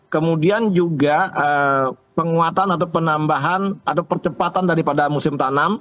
kemudian juga penguatan atau penambahan atau percepatan daripada musim tanam